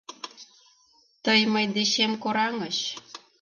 Тый мый дечем кораҥыч